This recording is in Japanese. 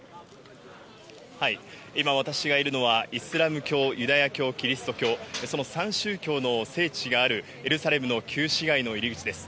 今、私がいるのは、イスラム教、ユダヤ教、キリスト教、その３宗教の聖地があるエルサレムの旧市街の入り口です。